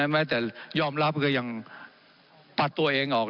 แม้แต่ยอมรับก็ยังปัดตัวเองออก